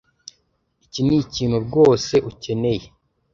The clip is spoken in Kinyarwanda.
Iki nikintu rwose ukeneye.